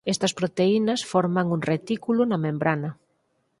Estas proteínas forman un retículo na membrana.